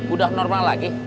udah normal lagi